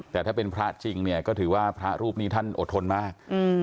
แต่ถ้าเป็นพระจริงเนี่ยก็ถือว่าพระรูปนี้ท่านอดทนมาก